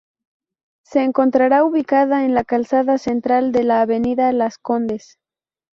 Se encontrará ubicada en la calzada central de la Avenida Las Condes.